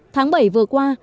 tháng bảy vừa qua